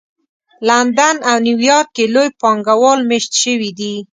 لندن او نیویارک کې لوی پانګه وال مېشت شوي دي